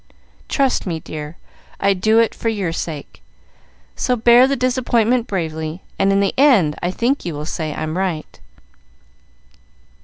Trust me, dear, I do it for your sake; so bear the disappointment bravely, and in the end I think you will say I'm right."